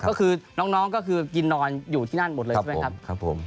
ก็คือน้องก็คือกินนอนอยู่ที่นั่นหมดเลยใช่ไหมครับผม